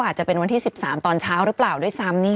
อาจจะเป็นวันที่๑๓ตอนเช้าหรือเปล่าด้วยซ้ำ